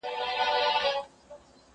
زه مخکي د کتابتون د کار مرسته کړې وه!